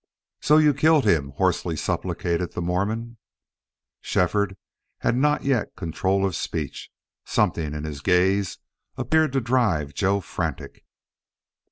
"Say YOU killed him!" hoarsely supplicated the Mormon. Shefford had not yet control of speech. Something in his gaze appeared to drive Joe frantic.